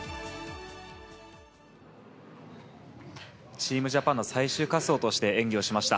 チームジャパンの最終滑走として演技をしました。